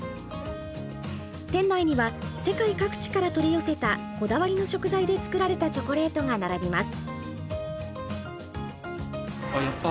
店内には世界各地から取り寄せたこだわりの食材で作られたチョコレートが並びます。